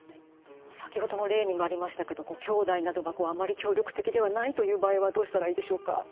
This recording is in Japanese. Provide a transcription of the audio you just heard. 先ほどの例にもありましたけどきょうだいなどがあまり協力的ではないという場合はどうしたらいいでしょうか？